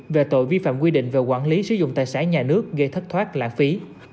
về tội vi phạm quy định về quản lý sử dụng tài sản nhà nước gây thất thoát lãng phí